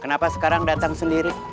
kenapa sekarang datang sendiri